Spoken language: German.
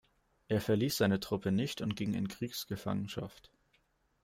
Er verließ seine Truppe nicht und ging in Kriegsgefangenschaft.